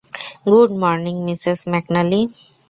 Good morning, Mrs McNally.